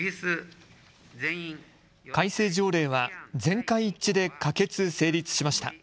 改正条例は全会一致で可決・成立しました。